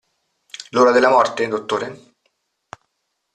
L'ora della morte, dottore?